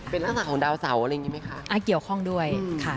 เป็นราศีของดาวเสาอะไรนี้มั้ยคะ